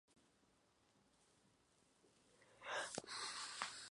El invento de Drew fue comercializada como Scotch Tape.